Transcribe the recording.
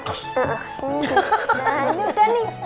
ini udah nih